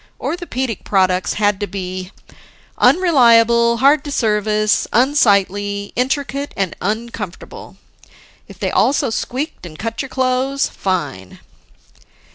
Orthopedic products had to be: unreliable, hard to service, unsightly, intricate, and uncomfortable. If they also squeaked and cut your clothes, fine!